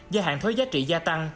giai hạn thuế giá trị gia tăng